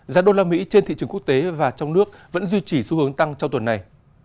giá đô la mỹ trên thị trường quốc tế và trong nước vẫn duy trì xu hướng tăng trong tuần này